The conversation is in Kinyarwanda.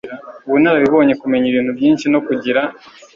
ubunararibonye kumenya ibintu byinshi no kugira